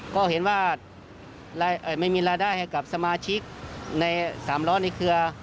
ก็เห็นว่าไม่มีรายได้ให้กับสมาชิกใน๓ล้อในเครือ